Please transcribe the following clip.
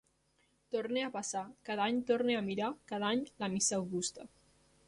Torna a passar: cada any torna a mirar, cada any, la missa augusta.